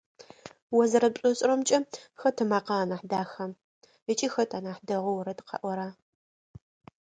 О зэрэпшӏошӏырэмкӏэ, хэт ымакъэ анахь даха ыкӏи хэт анахь дахэу орэд къыӏора?